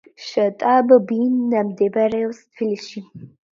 შტაბ-ბინა მდებარეობდა თბილისში.